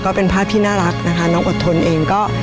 ก็เป็นภาพที่น่ารักนะคะน้องอดทนเองก็